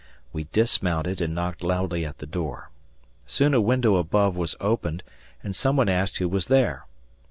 We dismounted and knocked loudly at the door. Soon a window above was opened, and some one asked who was there.